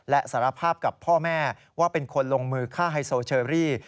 และสารภาพกับพ่อแม่ว่าเป็นคนลงมือฆ่าไฮโซเชอรี่